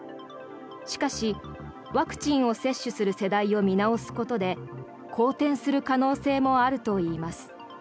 しかし、ワクチンを接種する世代を見直すことで好転する可能性もあるといいます。